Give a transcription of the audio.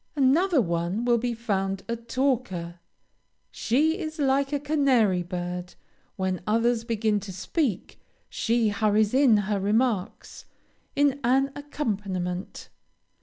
Another one will be found a talker. She is like a canary bird; when others begin to speak, she hurries in her remarks, in an accompaniment.